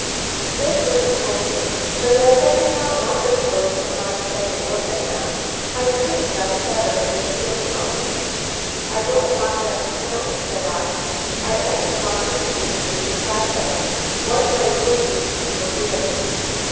This was a poser! But as I did not want the clothes so much as a look at them, I soon got the better of this difficulty. "I don't want them to night," said I. "I only wanted to make sure you had them. What night were these people here?"